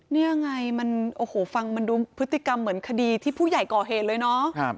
นี่ไงมันโอ้โหฟังมันดูพฤติกรรมเหมือนคดีที่ผู้ใหญ่ก่อเหตุเลยเนาะ